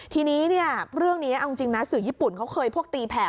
ทีนี้เนี่ยเรื่องนี้เอาจริงนะสื่อญี่ปุ่นเขาเคยพวกตีแผ่